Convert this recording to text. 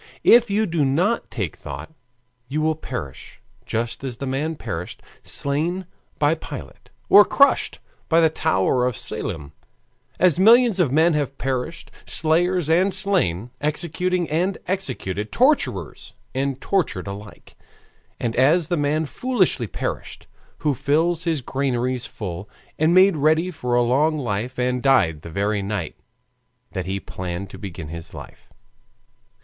If you do not take thought, you will perish just as the men perished, slain by Pilate, or crushed by the tower of Siloam; as millions of men have perished, slayers and slain, executing and executed, torturers and tortured alike, and as the man foolishly perished, who filled his granaries full and made ready for a long life and died the very night that he planned to begin his life.